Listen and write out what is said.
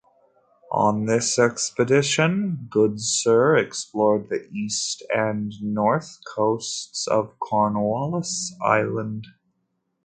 On this expedition Goodsir explored the east and north coasts of Cornwallis Island.